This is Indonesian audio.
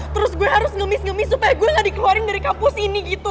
terus gue harus ngemis ngemis supaya gue gak dikeluarin dari kampus ini gitu